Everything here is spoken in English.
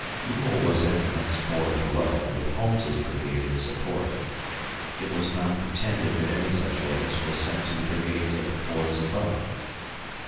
Ewell was at the next ford below, with Holmes's brigade in support. It was not pretended that any such orders were sent to the brigades at the fords above.